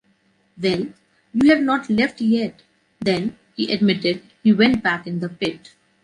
Well! You have not left, yet ! Then, he admitted, he went back in the pit .